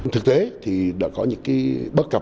thực tế thì đã có những cái bất cập